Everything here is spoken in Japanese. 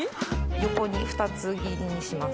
横に二つ切りにします。